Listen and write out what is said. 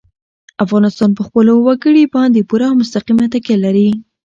افغانستان په خپلو وګړي باندې پوره او مستقیمه تکیه لري.